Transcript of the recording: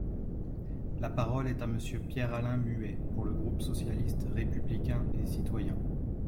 La parole est à Monsieur Pierre-Alain Muet, pour le groupe socialiste, républicain et citoyen.